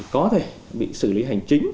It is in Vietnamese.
có thể bị xử lý hành chính